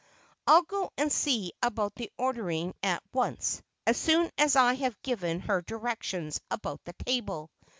I'll go and see about the ordering at once as soon as I have given her directions about the table.